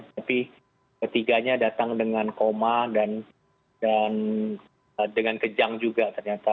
tapi ketiganya datang dengan koma dan dengan kejang juga ternyata